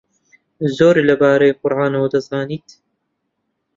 زۆر لەبارەی قورئانەوە دەزانێت.